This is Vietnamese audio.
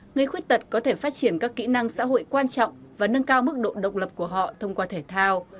người khuyết tật có thể phát triển các kỹ năng xã hội quan trọng và nâng cao mức độ độc lập của họ thông qua thể thao